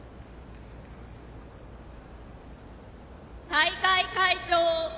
大会会長